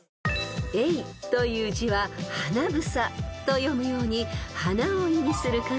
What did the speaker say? ［英という字ははなぶさと読むように花を意味する漢字です］